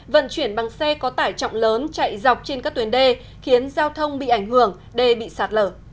vận chuyển bằng xe có tải trọng lớn chạy dọc trên các tuyến đê khiến giao thông bị ảnh hưởng đê bị sạt lở